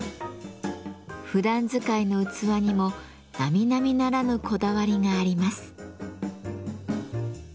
ふだん使いの器にもなみなみならぬこだわりがあります。